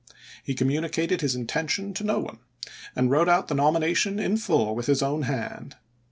He communicated his intention to no one, lse*. and wrote out the nomination in full with his own hand.